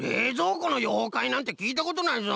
このようかいなんてきいたことないぞ。